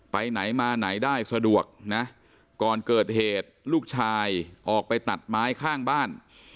ไปไหนมาไหนได้สะดวกนะก่อนเกิดเหตุลูกชายออกไปตัดไม้ข้างบ้าน